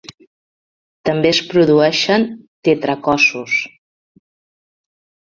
També es produeixen "tetracossos".